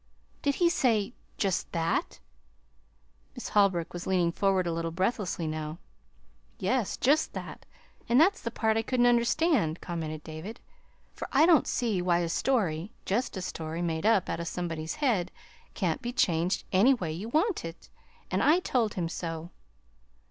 "Did he say just that?" Miss Holbrook was leaning forward a little breathlessly now. "Yes just that; and that's the part I couldn't understand," commented David. "For I don't see why a story just a story made up out of somebody's head can't be changed any way you want it. And I told him so."